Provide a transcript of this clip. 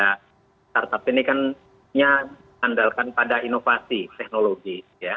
nah startup ini kan hanya berkandalkan pada inovasi teknologi